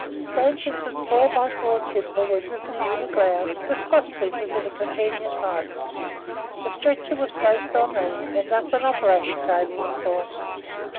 Stanchions of 4 x 4 in. timber were driven into the ground, with crosspieces at a convenient height; the stretcher was placed on these, and thus an operating table was formed.